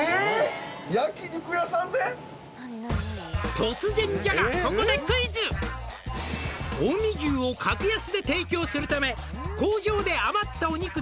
「突然じゃがここでクイズ」「近江牛を格安で提供するため」「工場で余ったお肉で」